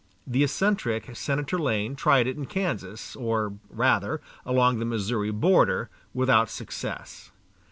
The eccentric Senator Lane tried it in Kansas, or, rather, along the Missouri border without success.